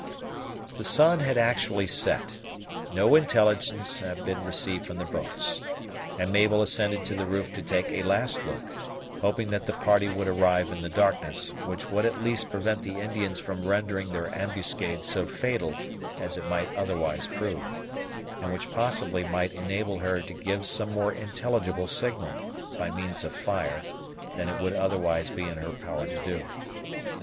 The sun had actually set; no intelligence had been received from the boats, and Mabel ascended to the roof to take a last look, hoping that the party would arrive in the darkness; which would at least prevent the Indians from rendering their ambuscade so fatal as it might otherwise prove, and which possibly might enable her to give some more intelligible signal, by means of fire, than it would otherwise be in her power to do.